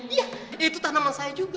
iya itu tanaman saya juga